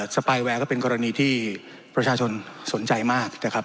สปายแวร์ก็เป็นกรณีที่ประชาชนสนใจมากนะครับ